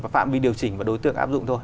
phạm vi điều chỉnh và đối tượng áp dụng thôi